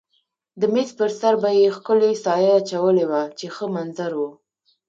د مېز پر سر به یې ښکلې سایه اچولې وه چې ښه منظر و.